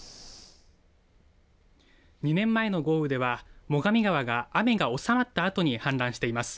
２年前の豪雨では最上川が雨が収まったあとに氾濫しています。